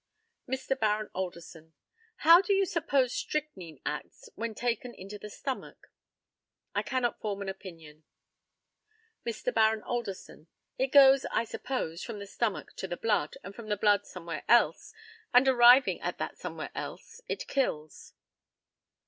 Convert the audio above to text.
Mr. Baron ALDERSON: How do you suppose strychnine acts when taken into the stomach? I cannot form an opinion. Mr. Baron ALDERSON: It goes, I suppose, from the stomach to the blood, and from the blood somewhere else, and, arriving at that somewhere else, it kills.